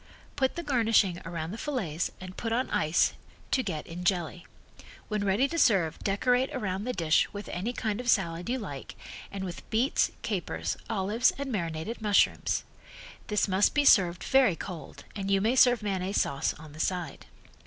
Put the garnishing around the fillets and put on ice to get in jelly. When ready to serve decorate around the dish with any kind of salad you like, and with beets, capers, olives and marinated mushrooms. This must be served very cold and you may serve mayonnaise sauce on the side.